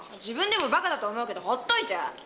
自分でもバカだと思うけどほっといて！